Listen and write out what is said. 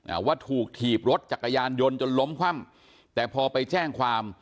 อ่าว่าถูกถีบรถจักรยานยนต์จนล้มคว่ำแต่พอไปแจ้งความ